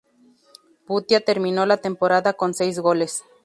Bhutia terminó la temporada con seis goles.